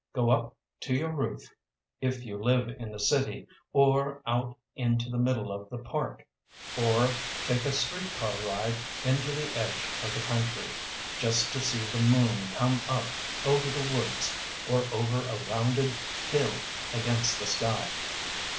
Go up to your roof, if you live in the city, or out into the middle of the Park, or take a street car ride into the edge of the country just to see the moon come up over the woods or over a rounded hill against the sky.